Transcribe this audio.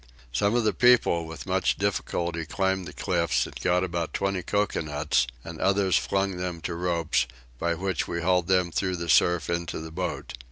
Some of the people with much difficulty climbed the cliffs and got about 20 coconuts, and others flung them to ropes, by which we hauled them through the surf into the boat.